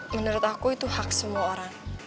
menurut aku itu hak semua orang